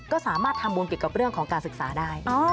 ก็สามารถทำบุญเกี่ยวกับเรื่องของการศึกษาได้